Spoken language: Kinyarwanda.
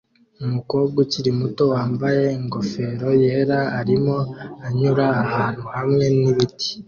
Umukobwa ukiri muto wambaye ingofero yera arimo anyura ahantu hamwe nibiti